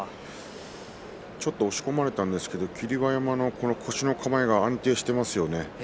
ちょっと押し込まれたんですけども霧馬山の腰の構えが安定していますね